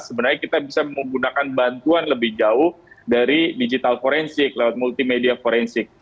sebenarnya kita bisa menggunakan bantuan lebih jauh dari digital forensik lewat multimedia forensik